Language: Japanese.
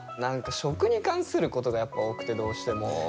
食に関することがやっぱ多くてどうしても。